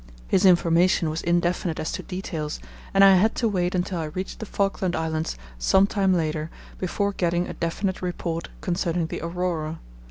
His information was indefinite as to details, and I had to wait until I reached the Falkland Islands some time later before getting a definite report concerning the Aurora.